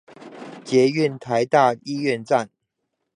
捷運臺大醫院站